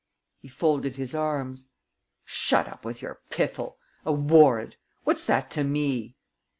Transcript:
He folded his arms: "Shut up with your piffle! A warrant! What's that to me?"